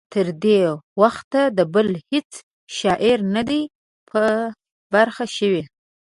تر دې وخته د بل هیڅ شاعر نه دی په برخه شوی.